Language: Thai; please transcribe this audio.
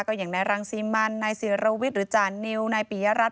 ก็อย่างนายรังซีมันนายศิรวิทย์หรือจานิวนายปียรัฐ